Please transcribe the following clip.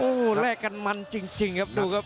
โอ้โหแลกกันมันจริงครับเดี๋ยวก่อนครับ